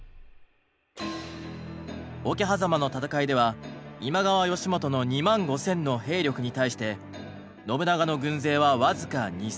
桶狭間の戦いでは今川義元の２万５，０００の兵力に対して信長の軍勢は僅か２，０００でした。